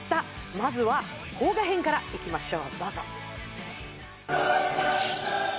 まずは邦画編からいきましょう